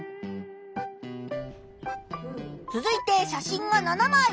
続いて写真が７まい。